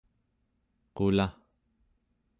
qula